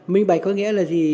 minh bạch có nghĩa là gì